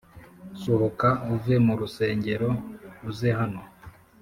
Sohoka uve mu rusengero uzehano